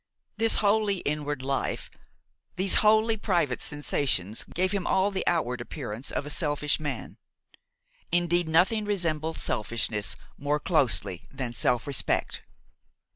This wholly inward life, these wholly private sensations gave him all the outward appearance of a selfish man; indeed nothing resembles selfishness more closely than self respect.